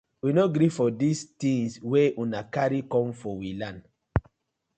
We no gree for all dis tinz wey una karry com for we land.